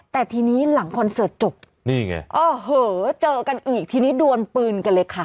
แต่ทีนี้หลังคอนเสิร์ตจบนี่ไงโอ้โหเจอกันอีกทีนี้ดวนปืนกันเลยค่ะ